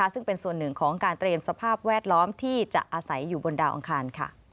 ซึ่งเป็นส่วนหนึ่งของการเตรียมสภาพแวดล้อมที่จะอาศัยอยู่บนดาวอังคาร